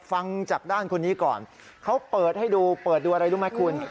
ฟังจากด้านคนนี้ก่อนเขาเปิดให้ดูเปิดดูอะไรรู้ไหมคุณ